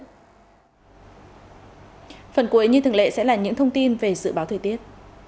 phần cuối như thường lệ sẽ là những thông tin về dự báo thời tiết